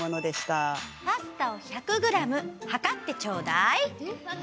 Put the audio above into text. パスタを１００グラムはかってちょうだい。